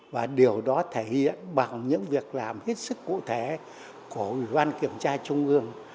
và điều đó thể hiện bằng những việc làm hết sức cụ thể của ủy ban kiểm tra trung ương